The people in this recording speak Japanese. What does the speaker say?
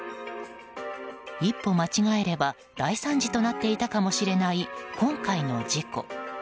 一歩間違えれば大惨事となっていたかもしれない今回の事故。